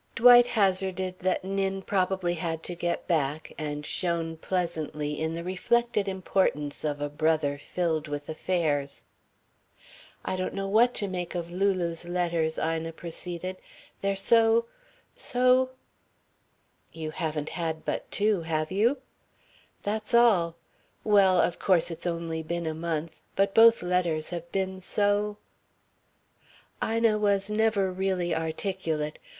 Dwight hazarded that Nin probably had to get back, and shone pleasantly in the reflected importance of a brother filled with affairs. "I don't know what to make of Lulu's letters," Ina proceeded. "They're so so " "You haven't had but two, have you?" "That's all well, of course it's only been a month. But both letters have been so " Ina was never really articulate.